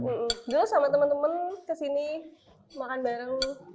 dulu sama teman teman ke sini makan bareng